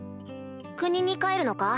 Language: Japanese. ・国に帰るのか？